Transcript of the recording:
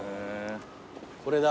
これだ。